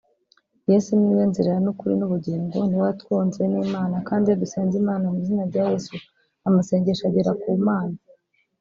Yesu niwe nzira nukuri nubugingo niwe watwunze nImana kandi iyo dusenze Imana mwizina rya Yesu amasengesho agera Kumana